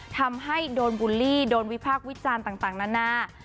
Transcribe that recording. ทำให้โดนบูลลี่โดนวิพากษ์วิจารณ์ต่างนานา